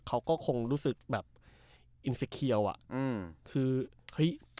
เขาก็คงรู้สึกแบบอืมคือเฮ้ย